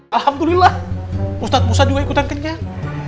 alhamdulillah ustadz pusat juga ikutan kenyang